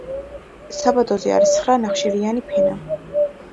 საბადოზე არის ცხრა ნახშირიანი ფენა.